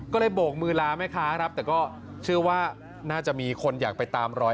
ก็เลยโบกมือลาแม่ค้าครับแต่ก็เชื่อว่าน่าจะมีคนอยากไปตามรอย